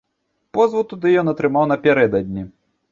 Позву туды ён атрымаў напярэдадні.